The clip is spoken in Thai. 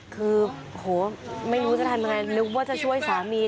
คือโหไม่รู้จะทำยังไงนึกว่าจะช่วยสามี